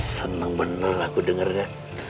seneng bener aku dengarnya